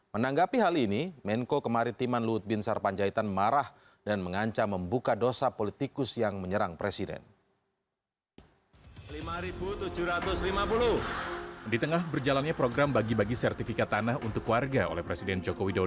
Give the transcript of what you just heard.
menanggapi hal ini menko kemaritiman luhut bin sarpanjaitan marah dan mengancam membuka dosa politikus yang menyerang presiden